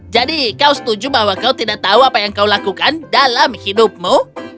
jadi kau setuju bahwa kau tidak tahu apa yang kau lakukan dalam hidupmu